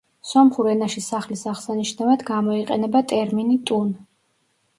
სომხურ ენაში სახლის აღსანიშნავად გამოიყენება ტერმინი „ტუნ“.